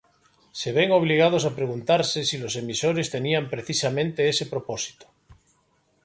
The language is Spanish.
Se ven obligados a preguntarse si los emisores tenían precisamente ese propósito.